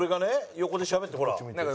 横でしゃべってほら。